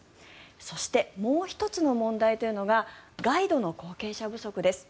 そしてもう１つの問題というのがガイドの後継者不足です。